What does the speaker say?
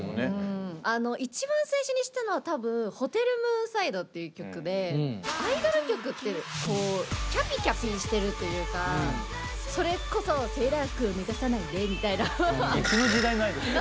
あの一番最初に知ったのは多分「ＨｏｔｅｌＭｏｏｎｓｉｄｅ」っていう曲でアイドル曲ってこうキャピキャピしてるというかそれこそ「セーラー服を脱がさないで」みたいな。